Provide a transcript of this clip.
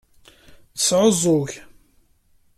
Tesɛuẓẓug.